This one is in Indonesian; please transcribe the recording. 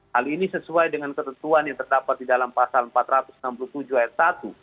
hal ini sesuai dengan ketentuan yang terdapat di dalam pasal empat ratus enam puluh tujuh ayat satu